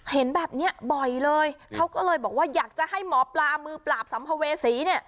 เห็นแบบนี้บ่อยเลยเขาก็เลยบอกว่าอยากจะให้หมอปลามือปราบสัมภเวษีเนี่ย